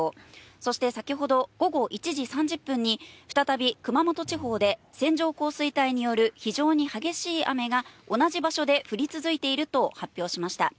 そして先ほど午後１時３０分に、再び熊本地方で線状降水帯による非常に激しい雨が同じ場所で降り続いていると発表しました。